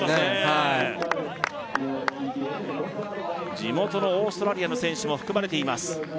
はい地元のオーストラリアの選手も含まれています